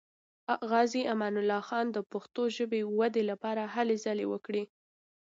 غازي امان الله خان د پښتو ژبې ودې لپاره هلې ځلې وکړې.